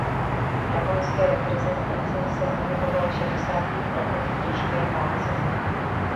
V japonské reprezentaci se pohyboval v šedesátých letech v těžké váze.